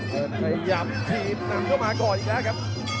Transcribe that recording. พยายามทีมนำเข้ามาก่อนอีกแล้วครับ